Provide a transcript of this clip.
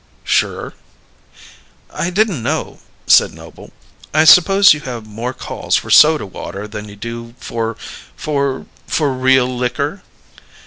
"Sure." "I didn't know," said Noble. "I suppose you have more calls for soda water than you do for for for real liquor?"